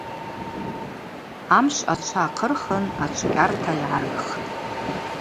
Амшв ачва ахъырхын ачвкъьарта йгӏаргхтӏ.